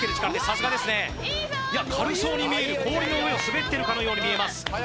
さすがですねいや軽そうに見える氷の上を滑ってるかのように見えます